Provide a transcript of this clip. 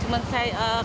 tidak tidak tidak